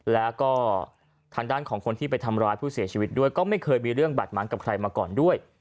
แล้วก็ทางด้านของคนที่ไปทำร้ายผู้เสียชีวิตด้วยก็ไม่เคยมีเรื่องบาดม้างกับใครมาก่อนด้วย